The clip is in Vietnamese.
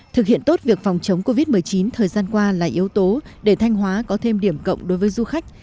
thực hiện tốt việc phòng chống covid một mươi chín thời gian qua là yếu tố để thanh hóa có thêm điểm cộng đối với du khách